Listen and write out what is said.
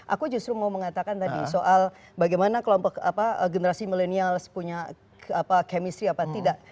aku justru mau mengatakan tadi soal bagaimana kelompok generasi milenial punya chemistry apa tidak